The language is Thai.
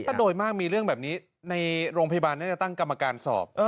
ถ้าโดยมากมีเรื่องแบบนี้ในโรงพยาบาลน่าจะตั้งกรรมการสอบ